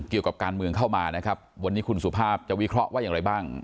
เกี่ยวกับการเมืองเข้ามานะครับวันนี้คุณสุภาพจะวิเคราะห์ว่าอย่างไรบ้าง